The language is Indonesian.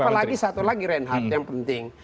apalagi satu lagi reinhardt yang penting